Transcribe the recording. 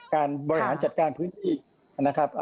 บริหารจัดการพื้นที่นะครับ